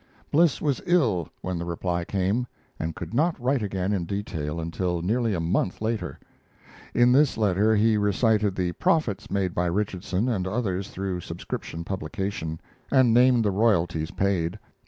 Bliss was ill when the reply came, and could not write again in detail until nearly a month later. In this letter he recited the profits made by Richardson and others through subscription publication, and named the royalties paid.